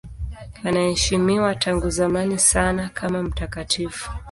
Anaheshimiwa tangu zamani sana kama mtakatifu.